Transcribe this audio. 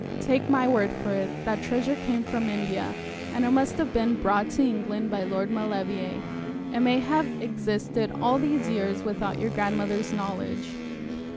Take my word for it, that treasure came from India; and it must have been brought to England by Lord Maulevrier. It may have existed all these years without your grandmother's knowledge.